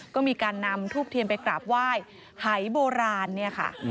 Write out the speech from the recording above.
ก็มีการนำทูบเทียนไปกราบไหว้หายโบราณเนี่ยค่ะ